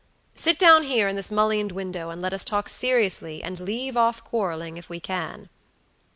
Sit down here in this mullioned window, and let us talk seriously and leave off quarreling if we can."